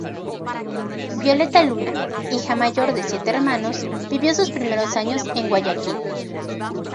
Violeta Luna, hija mayor de siete hermanos, vivió sus primeros años en Guayaquil.